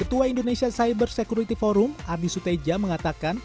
ketua indonesia cyber security forum ardi suteja mengatakan